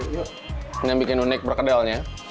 ini yang bikin unik perkedelnya